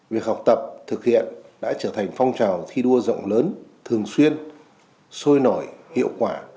việc học tập thực hiện đã trở thành phong trào thi đua rộng lớn thường xuyên sôi nổi hiệu quả